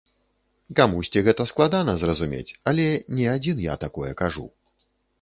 Камусьці гэта складана зразумець, але не адзін я такое кажу.